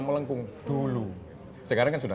melengkung dulu sekarang kan sudah